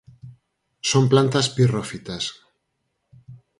Son plantas pirrófitas.